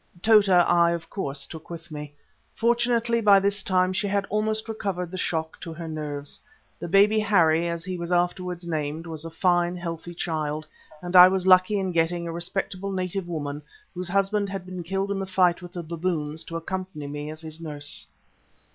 Tota, I of course took with me. Fortunately by this time she had almost recovered the shock to her nerves. The baby Harry, as he was afterwards named, was a fine healthy child, and I was lucky in getting a respectable native woman, whose husband had been killed in the fight with the baboons, to accompany me as his nurse.